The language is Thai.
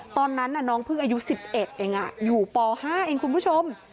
ตอนนั้นน่ะน้องพึ่งอายุสิบเอ็ดเองอ่ะอยู่ปห้าเองคุณผู้ชม